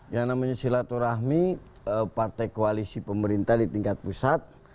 yang namanya silaturahmi partai koalisi pemerintah di tingkat pusat